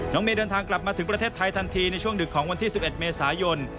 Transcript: เมย์เดินทางกลับมาถึงประเทศไทยทันทีในช่วงดึกของวันที่๑๑เมษายน